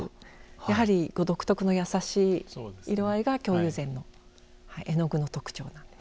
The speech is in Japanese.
やはり独特の優しい色合いが京友禅の絵の具の特徴なんです。